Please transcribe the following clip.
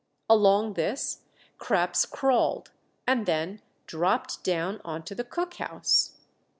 Along this Krapps crawled, and then dropped down on to the cook house.